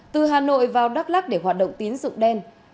từ hà nội vào đắk lắc để hoạt động tín dụng đen